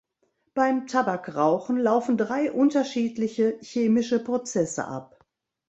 Beim Tabakrauchen laufen drei unterschiedliche chemische Prozesse ab.